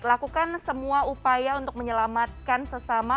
lakukan semua upaya untuk menyelamatkan sesama